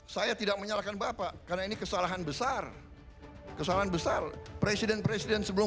saya tidak menyalahkan bapak karena ini kesalahan besar kesalahan besar presiden presiden sebelum